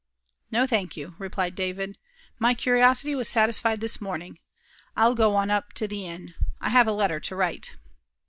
"No, thank you," replied David, "my curiosity was satisfied this morning. I'll go on up to the inn. I have a letter to write."